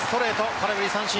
空振り三振。